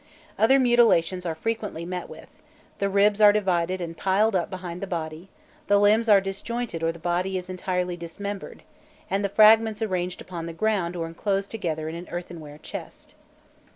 Other mutilations are frequently met with; the ribs are divided and piled up behind the body, the limbs are disjointed or the body is entirely dismembered, and the fragments arranged upon the ground or enclosed together in an earthenware chest.